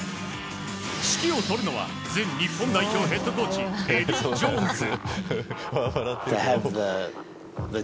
指揮を執るのは前日本代表ヘッドコーチエディー・ジョーンズ。